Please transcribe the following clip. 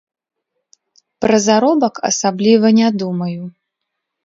Пра заробак асабліва не думаю.